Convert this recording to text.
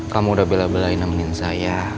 kamu udah bela belain nemenin saya